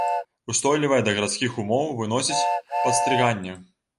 Устойлівая да гарадскіх умоў, выносіць падстрыганне.